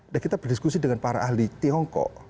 dan kita berdiskusi dengan para ahli tiongkok